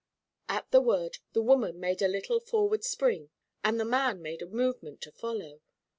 At the word the woman made a little forward spring, and the man made a movement to follow.